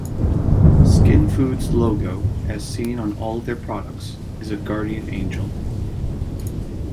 Skin Food's logo, as seen on all of their products, is a guardian angel.